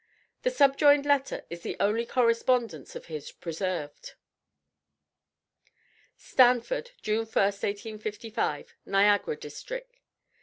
The subjoined letter is the only correspondence of his preserved: STANFORD, June 1st, 1855, Niagara districk.